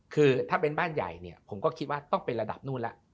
คือถ้าเป็นบ้านใหญ่เนี่ยผมก็คิดว่าต้องเป็นระดับนู่นแล้ว